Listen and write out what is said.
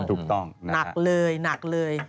ถูกต้องนะครับหนักเลย